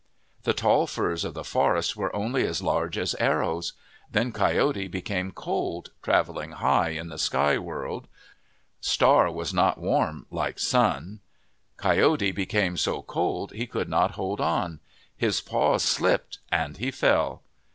The tall firs of the forest were only as large as arrows. Then Coyote became cold, travelling high in the sky world. Star MYTHS AND LEGENDS was not warm like Sun. Coyote became so cold he could not hold on. His paws slipped and he fell.